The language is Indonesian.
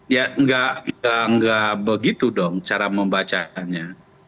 ya enggak enggak enggak begitu dong cara membacakannya